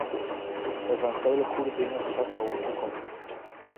Er zijn vele goede dingen gezegd over de toekomst.